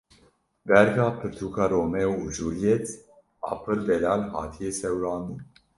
Berga pirtûka Romeo û Julîet a pir delal hatiye sêwirandin.